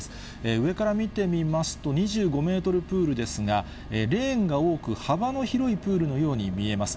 上から見てみますと、２５メートルプールですが、レーンが多く、幅の広いプールのように見えます。